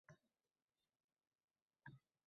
“devonayi mashrab”u